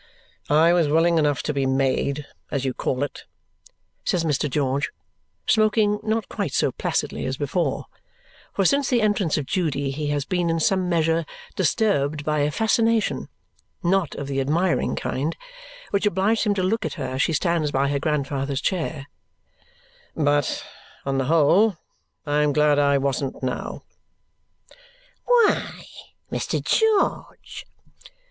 "I was willing enough to be 'made,' as you call it," says Mr. George, smoking not quite so placidly as before, for since the entrance of Judy he has been in some measure disturbed by a fascination, not of the admiring kind, which obliges him to look at her as she stands by her grandfather's chair, "but on the whole, I am glad I wasn't now." "Why, Mr. George?